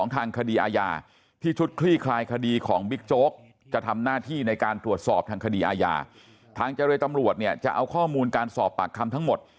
ทางจริยธรรมตำรวจจะเอาข้อมูลการสอบปากคำทั้งหมด